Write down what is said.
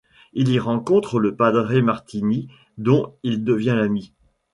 Il y rencontre le padre Martini dont il devient l'ami.